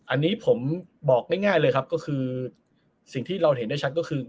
อันนี้ผมบอกง่ายเลยครับก็คือสิ่งที่เราเห็นได้ชัดก็คือ